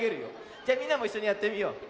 じゃみんなもいっしょにやってみよう。